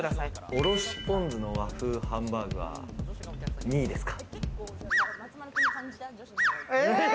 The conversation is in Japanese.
おろしぽん酢の和風ハンバーグは２位ですか？